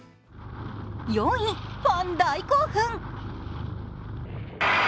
４位、ファン大興奮。